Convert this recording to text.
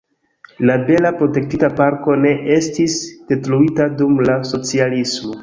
La bela protektita parko ne estis detruita dum la socialismo.